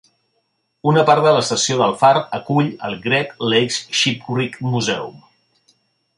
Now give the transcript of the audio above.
Una part de l'estació del far acull el Great Lakes Shipwreck Museum.